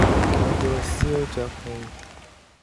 我要燒鵲脷